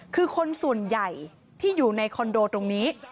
คือคนส่วนใหญ่ที่อยู่ในคอนโดตรงนี้